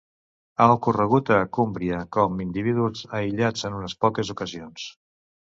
Ha ocorregut a Cumbria com individus aïllats en unes poques ocasions.